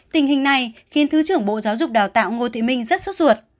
tình hình này khiến thứ trưởng bộ giáo dục đào tạo ngô thị minh rất sốt ruột